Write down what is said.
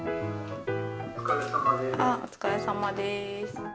お疲れさまです。